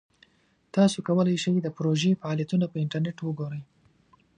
تاسو کولی شئ د پروژې فعالیتونه په انټرنیټ وګورئ.